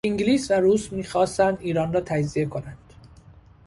انگلیس و روس میخواستند ایران را تجزیه کنند.